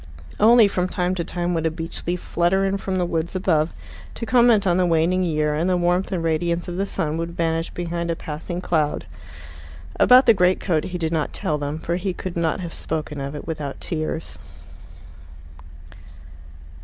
Only from time to time would a beech leaf flutter in from the woods above, to comment on the waning year, and the warmth and radiance of the sun would vanish behind a passing cloud. About the greatcoat he did not tell them, for he could not have spoken of it without tears.